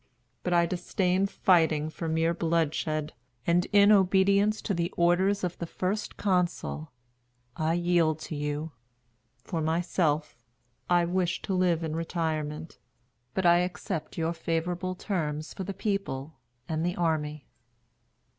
But I disdain fighting for mere bloodshed; and, in obedience to the orders of the First Consul, I yield to you. For myself, I wish to live in retirement; but I accept your favorable terms for the people and the army."